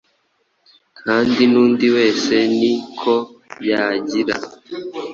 kandi n’undi wese ni ko yagira